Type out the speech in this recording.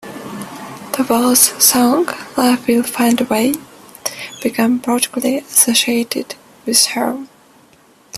The waltz song "Love Will Find a Way" became particularly associated with her.